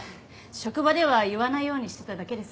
職場では言わないようにしてただけです。